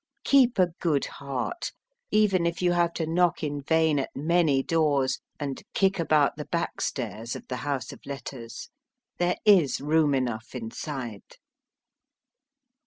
Keep a good heart, even if you have to knock in vain at many doors, and kick about the backstairs of the house of letters. There is room enough inside.